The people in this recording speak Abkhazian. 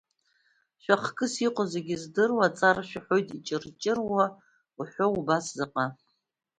Шәахкыс иҟоу зегьы здыруа, Аҵар Шәаҳәоит Иҷырҷыруа уҳәа убас заҟа.